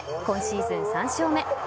今シーズン３勝目。